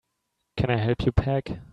Can I help you pack?